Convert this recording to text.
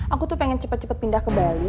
aku tuh pengen cepet cepet pindah ke bali